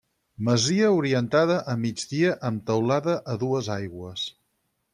Masia orientada a migdia amb teulada a dues aigües.